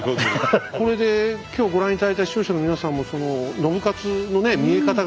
これで今日ご覧頂いた視聴者の皆さんも信雄のね見え方がね